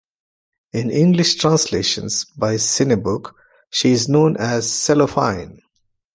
In English translations by Cinebook, she is known as Cellophine.